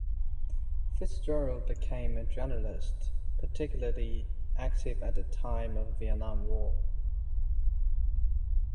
FitzGerald became a journalist, particularly active at the time of the Vietnam War.